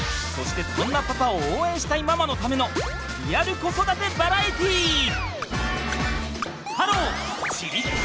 そしてそんなパパを応援したいママのためのリアル子育てバラエティー！